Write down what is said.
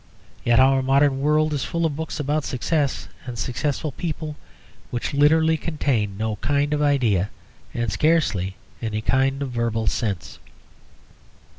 Yet our modern world is full of books about Success and successful people which literally contain no kind of idea, and scarcely any kind of verbal sense.